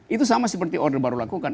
itu sama seperti order baru lakukan